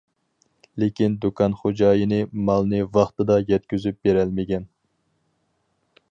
لېكىن دۇكان خوجايىنى مالنى ۋاقتىدا يەتكۈزۈپ بېرەلمىگەن.